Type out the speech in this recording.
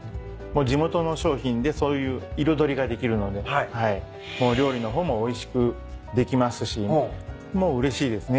地元の商品でそういう彩りができるので料理の方もおいしくできますしうれしいですね